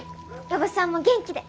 おばさんも元気で！